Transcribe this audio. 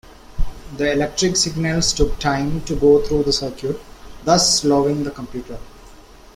The electric signals took time to go through the circuit, thus slowing the computer.